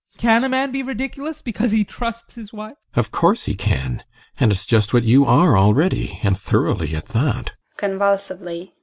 Can a man be ridiculous because he trusts his wife? GUSTAV. Of course he can. And it's just what you are already and thoroughly at that!